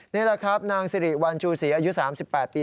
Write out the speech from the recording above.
นี่แหละครับนางสิริวัลชูศรีอายุ๓๘ปี